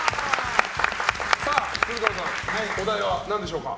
鶴太郎さんお題は何でしょうか？